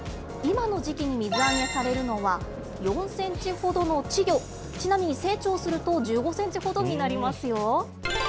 今の時期に水揚げされるのは、４センチほどの稚魚、ちなみに成長すると、１５センチほどになりますよ。